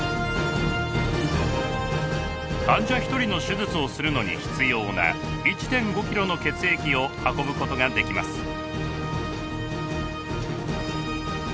患者１人の手術をするのに必要な１．５ｋｇの血液を運ぶことができます。